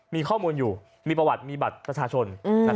มีข้อมูลอยู่มีประวัติมีบัตรประชาชน